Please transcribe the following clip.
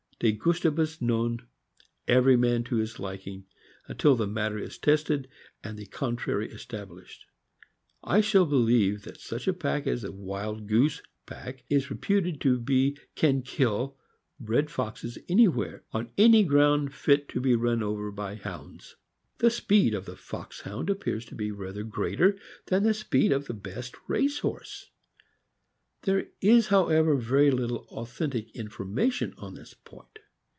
De gustibus non— "Every man to his liking." Until the matter is tested and the contrary established, I shall believe that such a pack as the Wild Goose pack is reputed to be can kill red foxes anywhere, on any ground fit to be run over by Hounds. The speed of the Foxhound appears to be rather greater than the speed of the best race horse. There is, however, very little authentic information on this point.